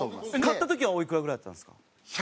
買った時はおいくらぐらいだったんですか？